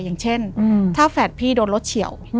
อย่างเช่นถ้าแฝดพี่โดนรถเฉียว